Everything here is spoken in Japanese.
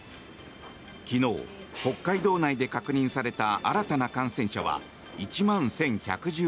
昨日、北海道内で確認された新たな感染者は１万１１１２人。